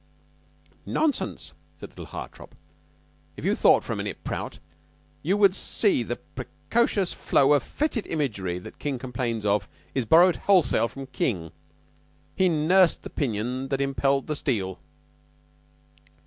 "Nonsense," said little Hartopp. "If you thought for a minute, Prout, you would see that the 'precocious flow of fetid imagery,' that King complains of, is borrowed wholesale from King. He 'nursed the pinion that impelled the steel.